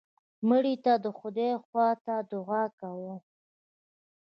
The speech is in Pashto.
مړه ته د خدای خوا ته دعا کوو